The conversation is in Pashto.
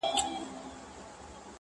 په سبک لیکل سوي کیسه ده